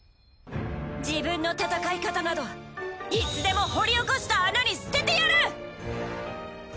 自分の戦い方などいつでも掘り起こした穴に捨ててやる！